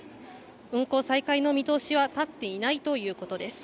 運行再開の見通しは立っていないということです。